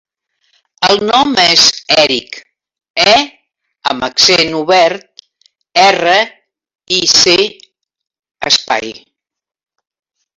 El nom és Èric : e amb accent obert, erra, i, ce, espai.